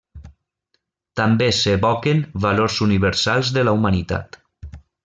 També s'evoquen valors universals de la humanitat.